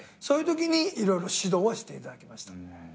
そういうときに色々指導はしていただきました。